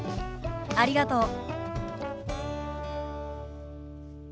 ありがとう。